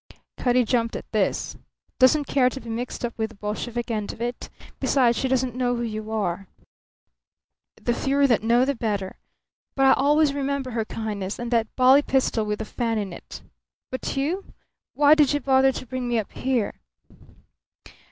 Cutty jumped at this. "Doesn't care to be mixed up with the Bolshevik end of it. Besides, she doesn't know who you are." "The fewer that know the better. But I'll always remember her kindness and that bally pistol with the fan in it. But you? Why did you bother to bring me up here?"